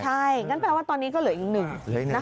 ใช่งั้นแปลว่าตอนนี้ก็เหลืออีกหนึ่ง